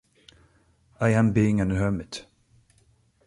I am being an hermit.